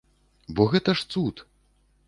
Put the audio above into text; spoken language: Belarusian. Бо гэта ж цуд!